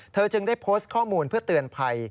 จึงได้โพสต์ข้อมูลเพื่อเตือนภัย